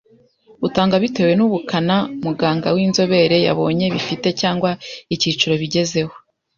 butangwa bitewe n’ubukana muganga w’inzobere yabonye bifite cyangwa icyiciro bigezeho.